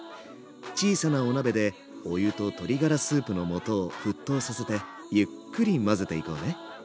小さなお鍋でお湯と鶏ガラスープの素を沸騰させてゆっくり混ぜていこうね。